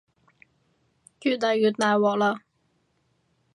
越嚟越大鑊喇